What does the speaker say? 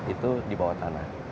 itu di bawah tanah